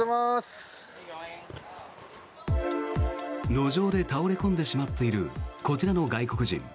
路上で倒れ込んでしまっているこちらの外国人。